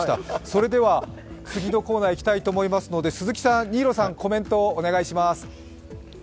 それでは、次のコーナーにいきたいと思いますので、鈴木さん、新納さん、コメントをお願いします。